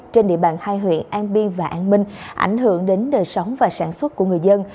trên địa bàn hai huyện an biên và an minh ảnh hưởng đến đời sống và sản xuất của người dân